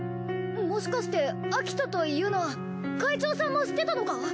もしかしてアキトとユナ会長さんも知ってたのか！？